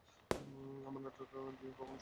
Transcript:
আমার নাটক নিয়ে কখনো শয়তানি করবে না।